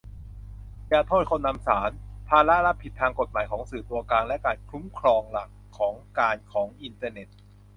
อย่าโทษคนนำสาร : ภาระรับผิดทางกฎหมายของสื่อตัวกลางและการคุ้มครองหลักการของอินเทอร์เน็ต